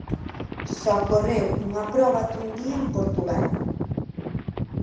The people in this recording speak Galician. Só correu unha proba dun día en Portugal.